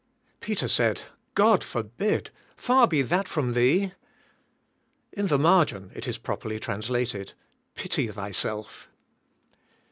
Peter said, "God forbid. Far be that from Thee." In the marg in it is properly translated '' Pity thy self."